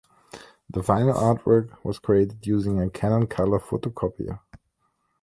The final artwork was created using a Canon colour photocopier.